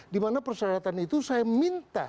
dimana persyaratan itu saya minta